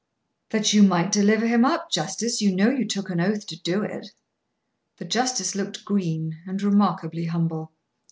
"That you might deliver him up, justice. You know you took an oath to do it." The justice looked green, and remarkably humble.